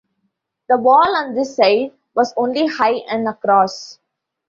The wall on this side was only high and across.